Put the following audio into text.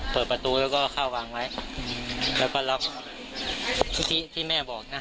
เปิดประตูแล้วก็เข้าวางไว้แล้วก็ล็อกทุธิที่แม่บอกนะ